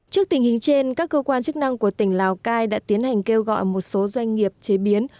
trước tình hình trên các cơ quan chức năng của tỉnh lào cai đã tiến hành kêu gọi một số doanh nghiệp chế biến